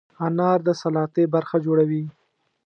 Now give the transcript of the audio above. انار د سلاتې برخه جوړوي.